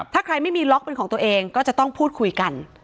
ถ้าใครไม่มีล็อกเป็นของตัวเองก็จะต้องพูดคุยกัน